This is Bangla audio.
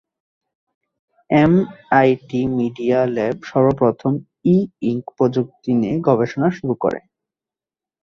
এমআইটি মিডিয়া ল্যাব সর্বপ্রথম ই-ইঙ্ক প্রযুক্তি নিয়ে গবেষণা শুরু করে।